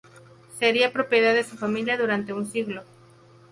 Sería propiedad de su familia durante un siglo.